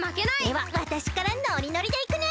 ではわたしからノリノリでいくね！